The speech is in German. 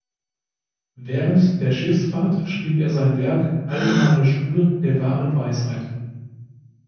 Während der Schiffsfahrt schrieb er sein Werk "Allgemeine Schule der wahren Weisheit".